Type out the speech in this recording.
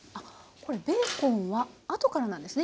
これベーコンはあとからなんですね。